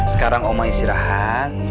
sekarang omah istirahat